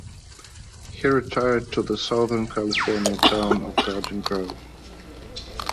He retired to the Southern California town of Garden Grove.